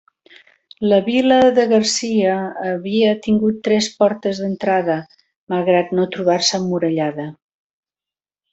La vila de Garcia havia tingut tres portes d'entrada, malgrat no trobar-se emmurallada.